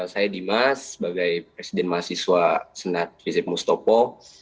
saya dimas sebagai presiden mahasiswa senat visip mustopo